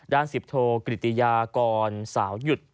ด้านสิบโทรกริติยากรสาวหยุด